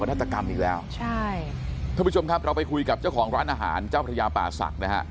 นาฏกรรมอีกแล้วใช่ท่านผู้ชมครับเราไปคุยกับเจ้าของร้านอาหารเจ้าพระยาป่าศักดิ์นะฮะ